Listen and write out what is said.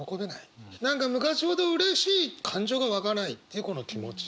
何か昔ほどうれしい感情が湧かないっていうこの気持ち。